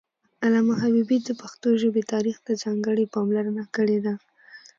علامه حبيبي د پښتو ژبې تاریخ ته ځانګړې پاملرنه کړې ده